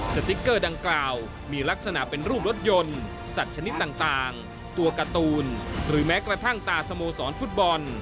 สติ๊กเกอร์ดังกล่าวมีลักษณะเป็นรูปรถยนต์สัตว์ชนิดต่างตัวการ์ตูนหรือแม้กระทั่งตาสโมสรฟุตบอล